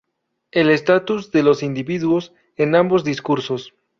El estatus de los individuos en ambos discursos.